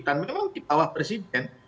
dan memang di bawah presiden